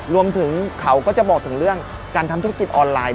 รวมถึงเขาก็จะบอกถึงเรื่องการทำธุรกิจออนไลน์